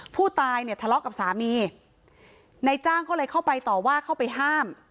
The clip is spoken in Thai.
ผู้ตายเนี่ยทะเลาะกับสามีนายจ้างก็เลยเข้าไปต่อว่าเข้าไปห้าม